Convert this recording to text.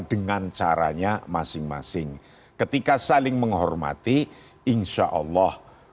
dengan caranya masing masing ketika saling menghormati insya allah